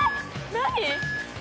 何？